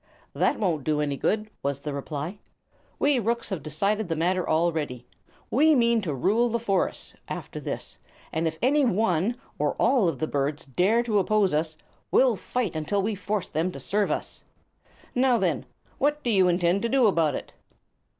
"That won't do any good," was the reply. "We rooks have decided the matter already. We mean to rule the forest, after this, and if any one, or all of the birds, dare to oppose us, we'll fight until we force them to serve us. Now, then, what do you intend to do about it?"